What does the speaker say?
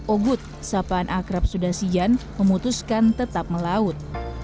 ogut sapaan akrab sudha sijan memutuskan tetap melaut